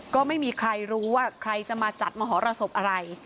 ก็ไม่มีใครรู้ว่าใครจะมาจัดมหรสบอะไร